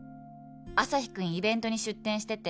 「旭くんイベントに出店してて」